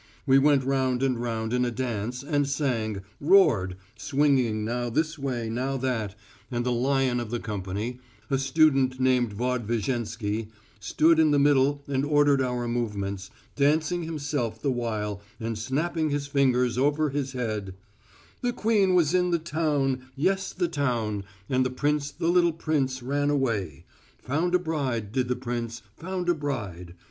We went round and round in a dance, and sang, roared, swinging now this way, now that, and the lion of the company, a student named Vozdvizhensky, stood in the middle and ordered our movements, dancing himself the while and snapping his fingers over his head: "The queen was in the town, yes, the town, And the prince, the little prince, ran away. Found a bride, did the prince, found a bride.